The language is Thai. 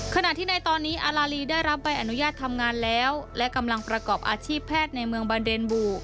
ขณะที่ในตอนนี้อาลาลีได้รับใบอนุญาตทำงานแล้วและกำลังประกอบอาชีพแพทย์ในเมืองบาเดนบู